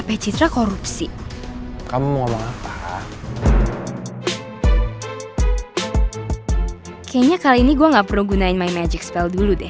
pecitra korupsi kamu mau ngapain kayaknya kali ini gua nggak perlu gunain magic spell dulu deh